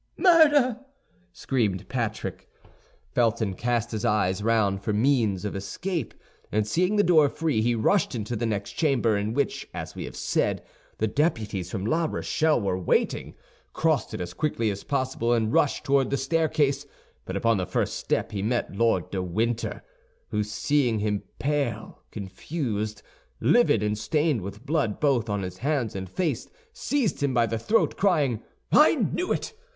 "Murder!" screamed Patrick. Felton cast his eyes round for means of escape, and seeing the door free, he rushed into the next chamber, in which, as we have said, the deputies from La Rochelle were waiting, crossed it as quickly as possible, and rushed toward the staircase; but upon the first step he met Lord de Winter, who, seeing him pale, confused, livid, and stained with blood both on his hands and face, seized him by the throat, crying, "I knew it!